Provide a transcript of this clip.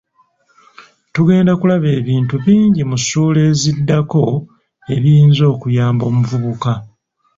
Tugenda kulaba ebintu bingi mu ssuula eziddako ebiyinza okuyamba omuvubuka.